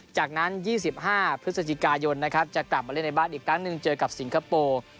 จากนั้น๒๕พฤศจิกายนนะครับจะกลับมาเล่นในบ้านอีกครั้งหนึ่งเจอกับสิงคโปร์